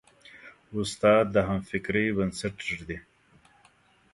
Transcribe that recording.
استاد د همفکرۍ بنسټ ږدي.